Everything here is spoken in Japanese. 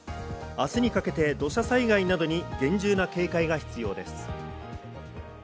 明日にかけて土砂災害などに厳重な警戒が必要です。